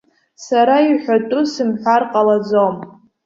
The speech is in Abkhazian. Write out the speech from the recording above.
Сара иҳәатәу сымҳәар ҟалаӡом.